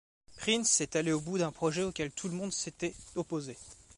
Prince est allé au bout d'un projet auquel tout le monde s'était opposé.